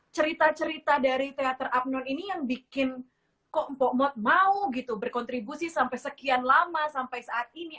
cerita cerita dari teater abnon ini yang bikin kok mpokmat mau gitu berkontribusi sampai sekian lama sampai saat ini